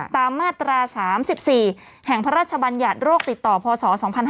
ตามมาตรา๓๔แห่งพระราชบัญญัติโรคติดต่อพศ๒๕๕๙